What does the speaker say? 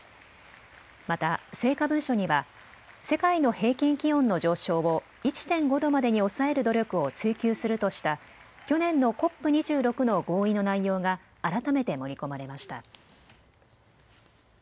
また成果文書には世界の平均気温の上昇を１．５度までに抑える努力を追求するとした去年のＣＯＰ２６の合意の内容が改めて盛り込まれました。